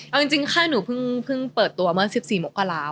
เอาจริงค่ะหนูเพิ่งเปิดตัวเมื่อ๑๔มกรา